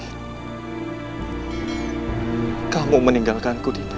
akan kau menyinggalkanku dinda